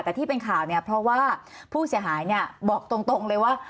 แต่ที่เป็นข่าวเนี่ยเพราะว่าผู้เสียหายเนี่ยบอกตรงเลยว่า